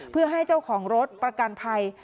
เพื่อให้เจ้าของรถประกันภัย